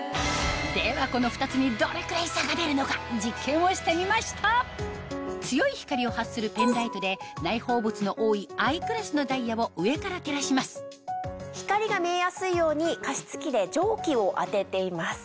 ではこの２つにどれくらい差が出るのか実験をしてみました強い光を発するペンライトで内包物の多いＩクラスのダイヤを上から照らします光が見えやすいように加湿器で蒸気を当てています。